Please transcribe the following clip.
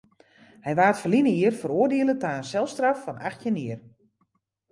Hy waard ferline jier feroardiele ta in selstraf fan achttjin jier.